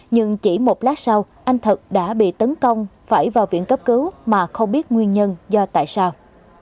nhưng chỉ một lát sau anh thật đã bị tấn công phải vào viện cấp cứu mà không biết nguyên nhân do tại sao